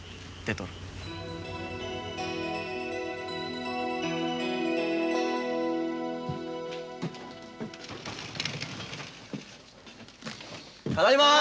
ただいま！